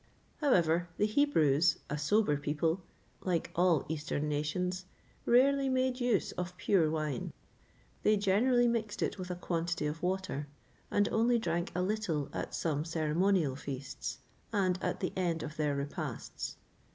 However, the Hebrews, a sober people, like all eastern nations, rarely made use of pure wine; they generally mixed it with a quantity of water, and only drank a little at some ceremonial feasts, and at the end of their repasts.